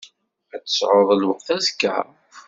Ad tesεuḍ lweqt azekka?